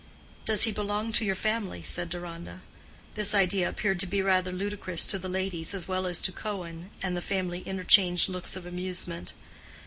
"Does he belong to your family?" said Deronda. This idea appeared to be rather ludicrous to the ladies as well as to Cohen, and the family interchanged looks of amusement.